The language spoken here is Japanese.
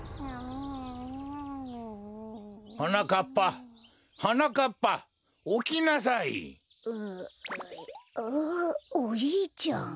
んあっおじいちゃん。